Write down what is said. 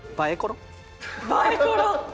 映えコロ！